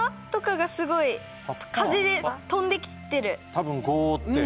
多分ゴーって。